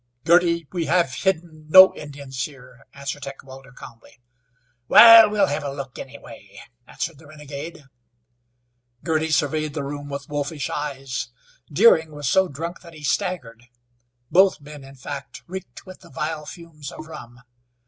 "Girty, we have hidden no Indians here," answered Heckewelder, calmly. "Wal, we'll hev a look, anyway," answered the renegade. Girty surveyed the room with wolfish eyes. Deering was so drunk that he staggered. Both men, in fact, reeked with the vile fumes of rum.